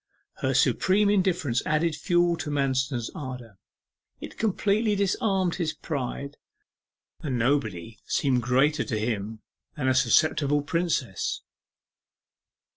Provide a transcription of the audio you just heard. Her supreme indifference added fuel to Manston's ardour it completely disarmed his pride. The invulnerable Nobody seemed greater to him than a susceptible Princess.